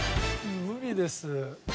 無理です。